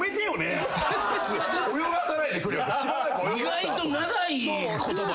意外と長い言葉。